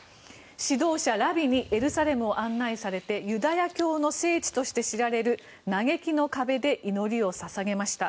指導者ラビにエルサレムを案内されてユダヤ教の聖地として知られる嘆きの壁で祈りを捧げました。